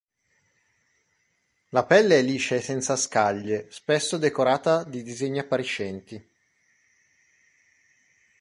La pelle è liscia e senza scaglie, spesso decorata di disegni appariscenti.